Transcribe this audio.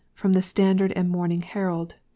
(From the STANDARD and MORNING HERALD, Dec.